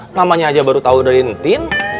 namanya aja baru tau udah dihentin